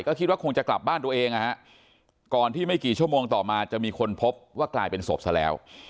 ก็คิดว่าคงจะกลับบ้านตัวเองนะฮะก่อนที่ไม่กี่ชั่วโมงต่อมาจะมีคนพบว่ากลายเป็นศพซะแล้ว